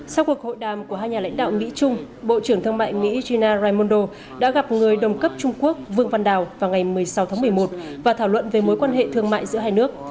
sau cuộc hội đàm của hai nhà lãnh đạo mỹ trung bộ trưởng thương mại mỹ gina raimondo đã gặp người đồng cấp trung quốc vương văn đào vào ngày một mươi sáu tháng một mươi một và thảo luận về mối quan hệ thương mại giữa hai nước